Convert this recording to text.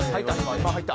今入った。